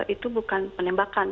itu bukan penembakan